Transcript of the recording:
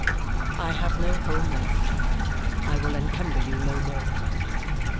I have no home left. I will encumber you no more.